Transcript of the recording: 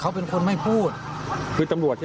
เพราะไม่เคยถามลูกสาวนะว่าไปทำธุรกิจแบบไหนอะไรยังไง